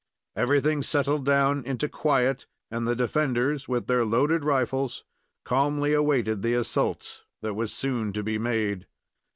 Everything settled down into quiet, and the defenders, with their loaded rifles, calmly awaited the assault that was soon to be made.